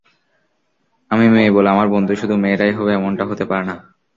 আমি মেয়ে বলে আমার বন্ধু শুধু মেয়েরাই হবে এমনটা হতে পারে না।